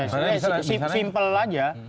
sebenarnya simpel aja